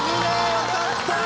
良かった。